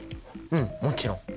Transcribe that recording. うんもちろん！